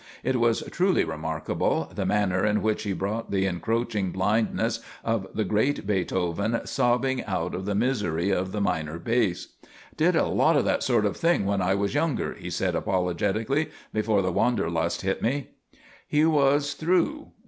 It was truly remarkable, the manner in which he brought the encroaching blindness of the great Beethoven sobbing out of the misery of the minor base. "Did a lot of that sort of thing when I was younger," he said, apologetically. "Before the wanderlust hit me." He was through.